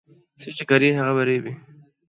څه چي کرې، هغه به رېبې.